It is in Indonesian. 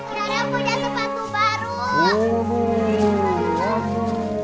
hai kakek kita punya sepatu baru